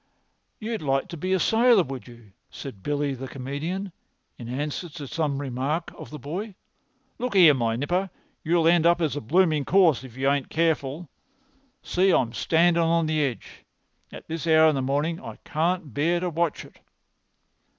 "You'd like to be a sailor, would you?" said Billy the comedian, in answer to some remark of the boy. "Look 'ere, my nipper, you'll end up as a blooming corpse if you ain't careful. See 'im standin' at the edge. At this hour of the morning I can't bear to watch it."